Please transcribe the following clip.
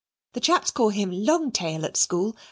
The chaps call him 'Longtail' at school.